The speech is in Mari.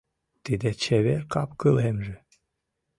Тиде чевер кап-кылемже